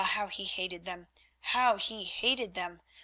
how he hated them! How he hated them!